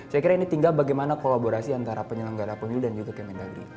saya kira ini tinggal bagaimana kolaborasi antara penyelenggara pemilu dan juga kementerian dari dari